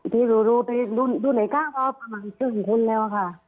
ที่รู้ไปดูไหนก็ครอบครัวประมาณสองคนแล้วค่ะ